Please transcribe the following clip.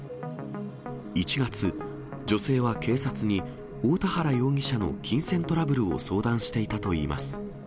１月、女性は警察に、大田原容疑者の金銭トラブルを相談していたといいます。